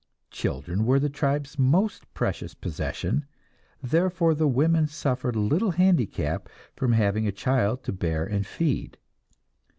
Children were the tribe's most precious possession; therefore the woman suffered little handicap from having a child to bear and feed.